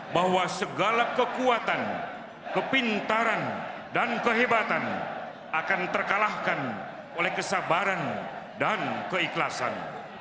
bahwa segala kekuatan kepintaran dan kehebatan akan terkalahkan oleh kesabaran dan keikhlasan